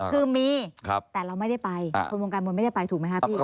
คือมีแต่เราไม่ได้ไปคนวงการมวยไม่ได้ไปถูกไหมคะพี่